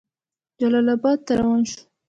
جلال آباد ته روان شو.